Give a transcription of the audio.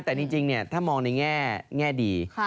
แต่จริงถ้ามองในแง่ดี